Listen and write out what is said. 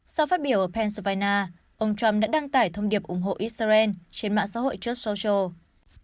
sau phát biểu ở pennsylvania ông trump đã đăng tải thông điệp ủng hộ israel trên mạng xã hội just social